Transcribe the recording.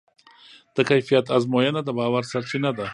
د کیفیت ازموینه د باور سرچینه ده.